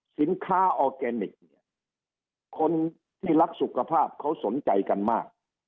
สินค้าออร์แกนิคเนี่ยคนที่รักสุขภาพเขาสนใจกันมาก